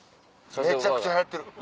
めちゃくちゃ流行ってる。